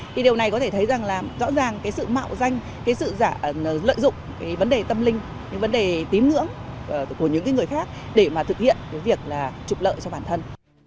thì điều này có thể thấy rằng là rõ ràng cái sự mạo danh cái sự lợi dụng cái vấn đề tâm linh những vấn đề tím ngưỡng của những người khác để mà thực hiện cái việc là trục lợi cho bản thân